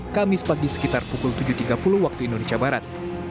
kamis pagi sekitar pukul tujuh tiga puluh waktu indonesia barat